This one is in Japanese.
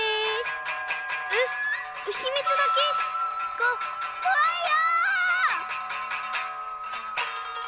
ここわいよ！